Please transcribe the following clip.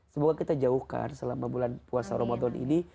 semoga kita jauhkan selama bulan puasa ramadan ini